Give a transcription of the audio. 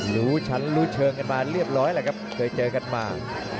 รู้ชั้นรู้เชิงกันมาเรียบร้อยแหละครับเคยเจอกันมา